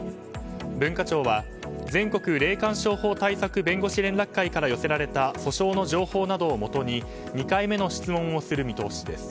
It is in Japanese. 文化庁は、全国霊感商法対策弁護士連絡会から寄せられた訴訟の情報などをもとに２回目の質問をする見通しです。